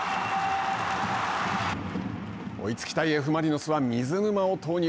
追いつきたいＦ・マリノスは水沼を投入。